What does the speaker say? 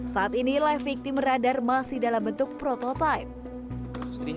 saat ini live victim radar masih dalam bentuk prototipe